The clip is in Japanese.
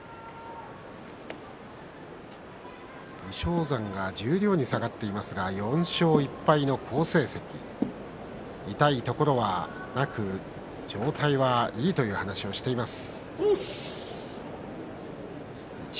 武将山が十両に下がっていますが４勝１敗の好成績痛いところはなく状態はいいという話をしています。